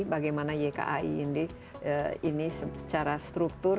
bagaimana ykai ini secara struktur